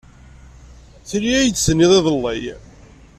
Tili ad iyi-d-tiniḍ iḍelli.